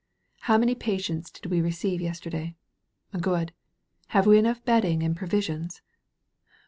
How many patients did we receive yes terday? Good. Have we enough bedding and provisions?